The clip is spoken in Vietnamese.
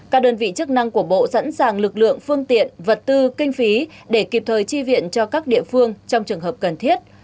các đơn vị chức năng của bộ sẵn sàng lực lượng phương tiện vật tư kinh phí để kịp thời tri viện cho các địa phương trong trường hợp cần thiết